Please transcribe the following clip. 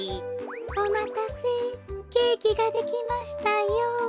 おまたせケーキができましたよ。